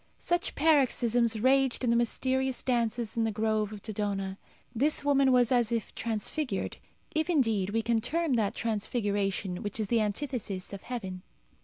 Such paroxysms raged in the mysterious dances in the grove of Dodona. This woman was as if transfigured if, indeed, we can term that transfiguration which is the antithesis of heaven.